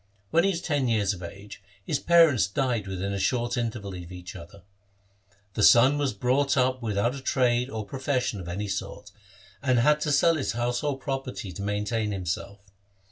When he was ten years of age, his parents died within a short interval of each other. The son was brought up without a trade or profession of any sort, and had to sell his household property to maintain himself.